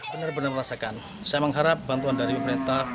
benar benar merasakan saya mengharap bantuan dari pemerintah